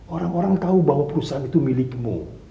orang orang tahu bahwa perusahaan itu milikmu